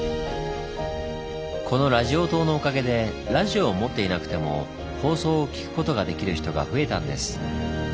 このラジオ塔のおかげでラジオを持っていなくても放送を聴くことができる人が増えたんです。